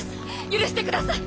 許してください！